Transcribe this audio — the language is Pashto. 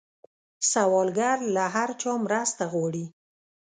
سوالګر له هر چا مرسته غواړي